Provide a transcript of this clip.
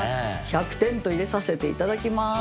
「１００点」と入れさせて頂きます！